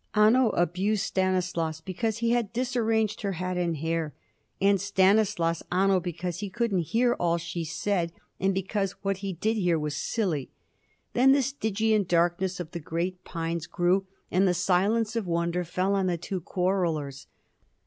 Anno abused Stanislaus, because he had disarranged her hat and hair, and Stanislaus, Anno, because he couldn't hear all she said, and because what he did hear was silly. Then the Stygian darkness of the great pines grew; and the silence of wonder fell on the two quarrellers.